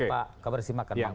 pak kabar skrim akan berhasil